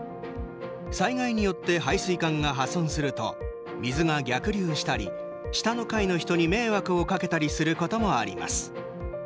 災害によって排水管が破損すると水が逆流したり下の階の人に迷惑をかけたりすることもあります。